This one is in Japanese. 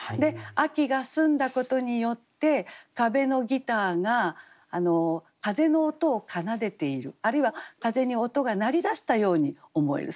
秋が澄んだことによって壁のギターが風の音を奏でているあるいは風に音が鳴りだしたように思える。